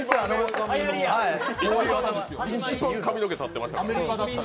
一番髪の毛たってましたから。